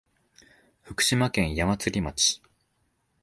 福島県矢祭町